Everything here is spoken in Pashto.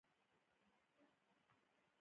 په خوړلو کښې يې دومره خوند نه و.